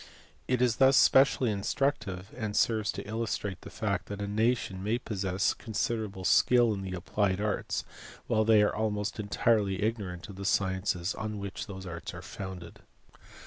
It is thus specially instructive, and serves to illustrate the fact that a nation may possess consider able skill in the applied arts while they are almost entirely ignorant of the sciences on which those arts are founded.